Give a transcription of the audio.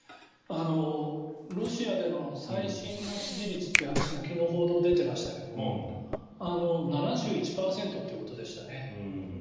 ロシアでの最新の支持率っていう話が昨日、報道に出ていましたが７１％ということでしたね。